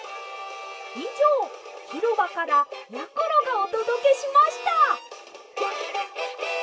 「いじょうひろばからやころがおとどけしました」。